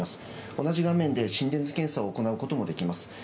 同じ画面で心電図検査を行うこともできます。